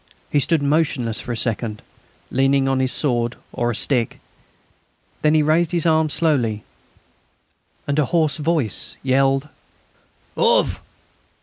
He stood motionless for a second, leaning on his sword or a stick; then he raised his arm slowly, and a hoarse voice yelled: "_Auf!